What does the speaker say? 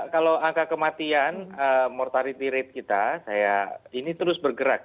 kalau angka kematian mortality rate kita ini terus bergerak